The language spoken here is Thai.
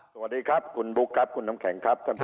สวัสดีครับคุณบุ๊คครับคุณน้ำแข็งครับท่านผู้